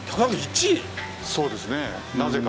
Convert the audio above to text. そうですね